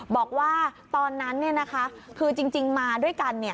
บอกว่าตอนนั้นคือจริงมาด้วยกัน